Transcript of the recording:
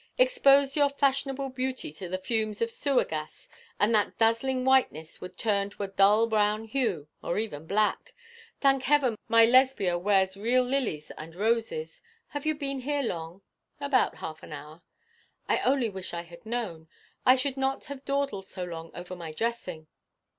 Expose your fashionable beauty to the fumes of sewer gas, and that dazzling whiteness would turn to a dull brown hue, or even black. Thank heaven, my Lesbia wears real lilies and roses. Have you been here long?' 'About half an hour' 'I only wish I had known. I should not have dawdled so long over my dressing.'